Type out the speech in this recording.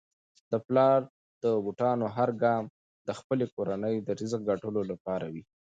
د پلار د بوټانو هر ګام د خپلې کورنی د رزق ګټلو لپاره وي.